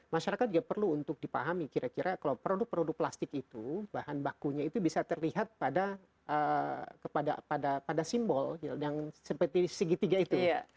masyarakat juga perlu untuk dipahami kira kira kalau produk produk plastik itu bahan bakunya itu bisa terlihat pada simbol yang seperti segitiga itu